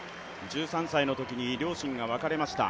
１３歳のときに両親が別れました。